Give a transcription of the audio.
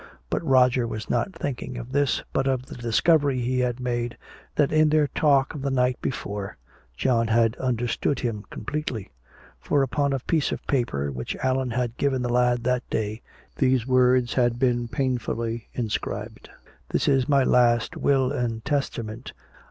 But Roger was not thinking of this, but of the discovery he had made, that in their talk of the night before John had understood him completely. For upon a piece of paper which Allan had given the lad that day, these words had been painfully inscribed: "This is my last will and testament.